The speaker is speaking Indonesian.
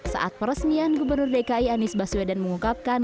saat peresmian gubernur dki anies baswedan mengungkapkan